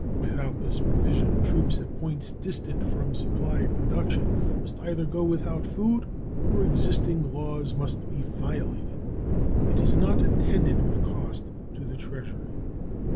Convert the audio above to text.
Without this provision troops at points distant from supply production must either go without food or existing laws must be violated. It is not attended with cost to the Treasury.